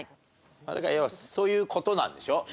まあだから要はそういう事なんでしょ要は。